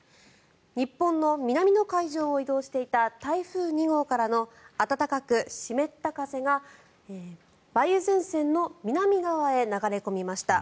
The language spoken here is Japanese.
日本の南の海上を移動していた台風２号からの暖かく湿った風が梅雨前線の南側へ流れ込みました。